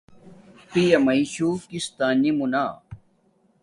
پیا میشو کس تا نی مونا